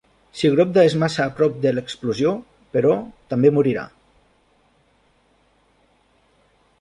Si Grobda és massa a prop de l'explosió, però, també morirà.